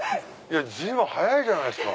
随分早いじゃないですか。